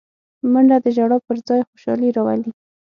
منډه د ژړا پر ځای خوشالي راولي